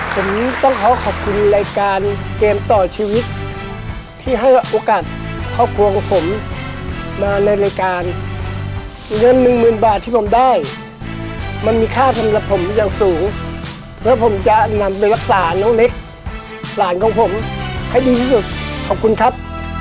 ผมต้องขอขอบคุณรายการเกมต่อชีวิตที่ให้โอกาสครอบครัวของผมมาในรายการเงินหนึ่งหมื่นบาทที่ผมได้มันมีค่าสำหรับผมอย่างสูงแล้วผมจะนำไปรักษาน้องเล็กหลานของผมให้ดีที่สุดขอบคุณครับ